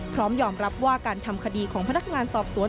พร้อมยอมรับว่าการทำคดีของพนักงานสอบสวน